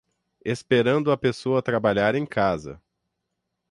Esperando a pessoa trabalhar em casa